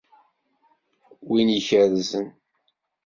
Win ikerzen.